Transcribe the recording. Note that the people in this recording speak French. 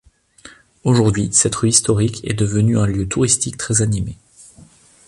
Aujourd'hui, cette rue historique est devenue un lieu touristique très animé.